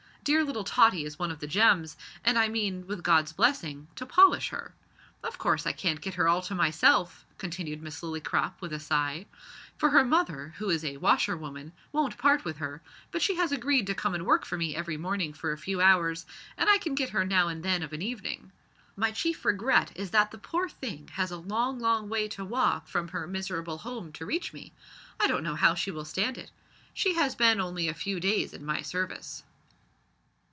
Dear little Tottie is one of the gems, and I mean, with God's blessing, to polish her. Of course, I can't get her all to myself," continued Miss Lillycrop with a sigh, "for her mother, who is a washer woman, won't part with her, but she has agreed to come and work for me every morning for a few hours, and I can get her now and then of an evening. My chief regret is that the poor thing has a long long way to walk from her miserable home to reach me. I don't know how she will stand it. She has been only a few days in my service."